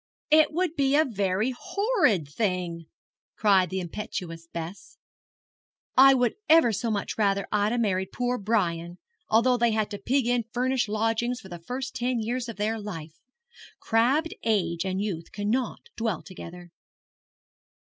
'It would be a very horrid thing!' cried the impetuous Bess. 'I would ever so much rather Ida married poor Brian, although they had to pig in furnished lodgings for the first ten years of their life. Crabbed age and youth cannot dwell together.'